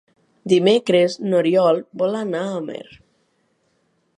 Dimecres n'Oriol vol anar a Amer.